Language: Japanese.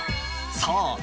［そう。